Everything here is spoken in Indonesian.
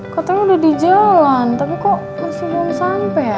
katanya udah di jalan tapi kok masih belum sampai ya